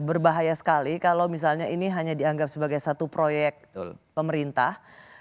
berbahaya sekali kalau misalnya ini hanya dianggap sebagai satu proyek pemerintah